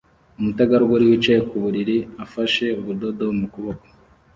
Umutegarugori wicaye ku buriri afashe ubudodo mu kuboko